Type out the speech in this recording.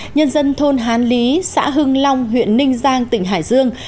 nhân dân thôn hán lý xã hưng long huyện ninh giang tỉnh hải dương